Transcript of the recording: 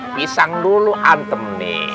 pisang dulu antem nek